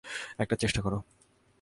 একটা চেষ্টা কর।